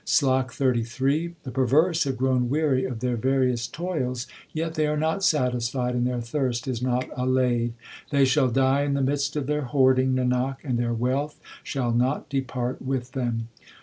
SLOK XXXIII The perverse have grown weary of their various toils, yet they are not satisfied and their thirst is not allayed ; They shall die in the midst of their hoarding, Nanak, and their wealth shall not depart with them.